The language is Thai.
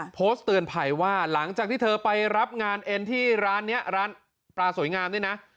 โพสต์เตือนภัยว่าหลังจากที่เธอไปรับงานเอ็นที่ร้านนี้ร้านปลาสวยงามนี่นะ